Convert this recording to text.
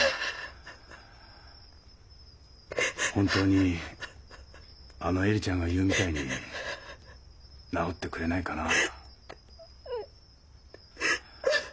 本当にあの恵里ちゃんが言うみたいに治ってくれないかな。